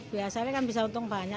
biasanya kan bisa untung banyak